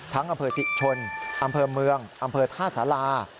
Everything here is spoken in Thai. ทั้งอำเภอศิชชนอำเภอเมืองอำเภอท่าสลา